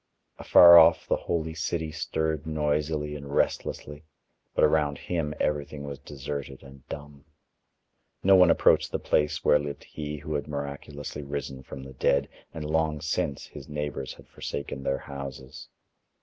Afar off the holy city stirred noisily and restlessly, but around him everything was deserted and dumb. No one approached the place where lived he who had miraculously risen from the dead, and long since his neighbors had forsaken their houses.